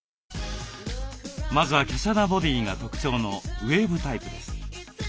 まずは華奢なボディーが特徴のウエーブタイプです。